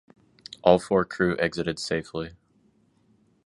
All four crew exited safely.